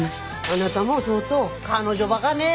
あなたも相当彼女バカね。